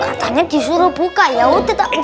ya katanya disuruh buka ya ustaz